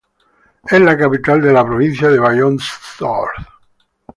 Es la capital de la provincia de Vayots' Dzor.